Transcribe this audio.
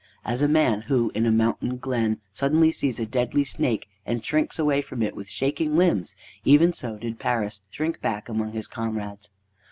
As a man who, in a mountain glen, suddenly sees a deadly snake and shrinks away from it with shaking limbs, even so did Paris shrink back among his comrades.